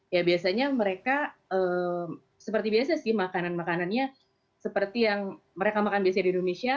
ya biasanya mereka seperti biasa sih makanan makanannya seperti yang mereka makan biasanya di indonesia